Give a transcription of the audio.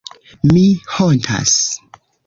Mi hontas.